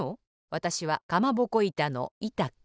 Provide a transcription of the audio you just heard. わたしはかまぼこいたのいた子。